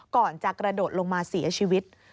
ก่อนจะกระโดดลงมาเสียชีวิต